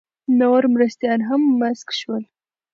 نور مستریان هم مسک شول.